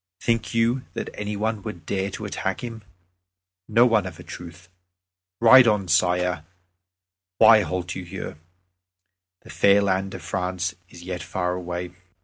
Think you that any one would dare to attack him? No one, of a truth. Ride on, Sire; why halt you here? The fair land of France is yet far away."